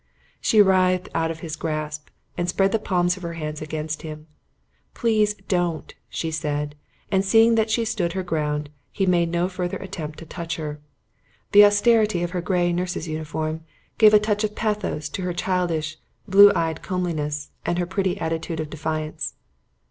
She writhed out of his grasp and spread the palms of her hands against him. "Please don't," she said, and seeing that she stood her ground, he made no further attempt to touch her. The austerity of her grey nurse's uniform gave a touch of pathos to her childish, blue eyed comeliness and her pretty attitude of defiance.